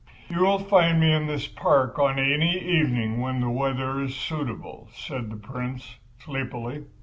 "You will find me in this park on any evening when the weather is suitable," said the Prince, sleepily.